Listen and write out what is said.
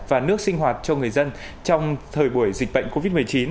và nước sinh hoạt cho người dân trong thời buổi dịch bệnh covid một mươi chín